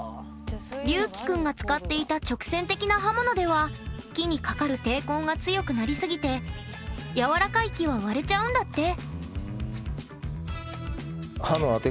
りゅうきくんが使っていた直線的な刃物では木にかかる抵抗が強くなりすぎて柔らかい木は割れちゃうんだって。